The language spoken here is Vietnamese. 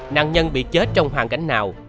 nạn nhân bị chết trong hoàn cảnh nào